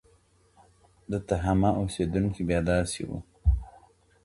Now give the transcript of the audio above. د تهامه اوسيدونکي بيا داسي وو.